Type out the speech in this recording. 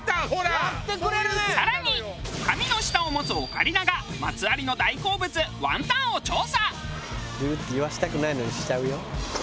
更に神の舌を持つオカリナがマツ有の大好物ワンタンを調査！